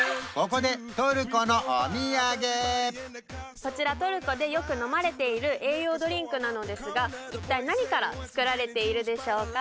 こちらトルコでよく飲まれている栄養ドリンクなのですが一体何から作られているでしょうか？